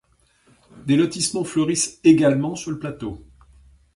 Des lotissements fleurissent également sur le plateau.